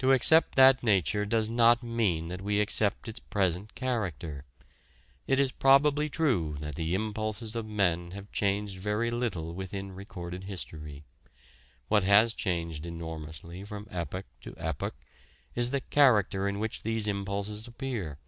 To accept that nature does not mean that we accept its present character. It is probably true that the impulses of men have changed very little within recorded history. What has changed enormously from epoch to epoch is the character in which these impulses appear.